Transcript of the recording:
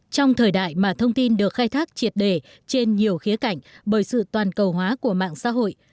trong thời đại mà thông tin được khai thác triệt đề trên nhiều khía cảnh bởi sự toàn cầu hóa của mạng xã hội